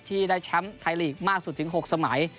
ที่ได้แชมป์ไทยลีกมากสุดถึง๖สมัย